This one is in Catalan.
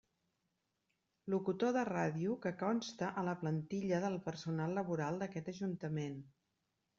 Locutor de ràdio que consta a la plantilla del personal laboral d'aquest ajuntament.